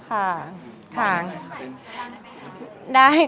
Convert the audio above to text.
วิชาเตียมรูปวิทยาหรือนั่นให้ไหม